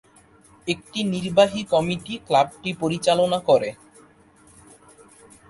একটি নির্বাহী কমিটি ক্লাবটি পরিচালনা করে।